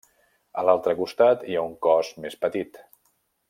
A l'altre costat, hi ha un cos més petit.